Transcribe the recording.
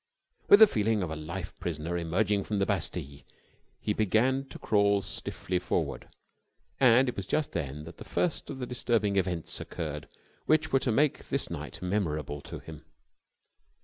With the feeling of a life prisoner emerging from the Bastille, he began to crawl stiffly forward: and it was just then that the first of the disturbing events occurred which were to make this night memorable to him.